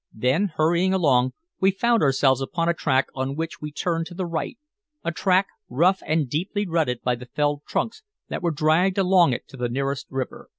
Then, hurrying along, we found ourselves upon a track, on which we turned to the right a track, rough and deeply rutted by the felled trunks that were dragged along it to the nearest river.